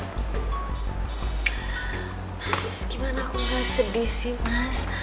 mas gimana aku gak sedih sih mas